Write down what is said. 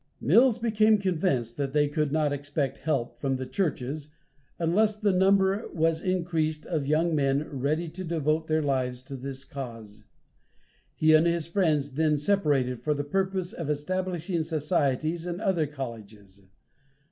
Mills became convinced that they could not expect help from the Churches unless the number was increased of young men ready to devote their lives to this cause. He and his friends then separated for the purpose of establishing societies in other colleges.